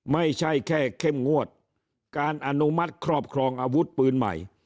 ไม่ใช่แค่เข้มงวดการอนุมัติครอบครองอาวุธปืนใหม่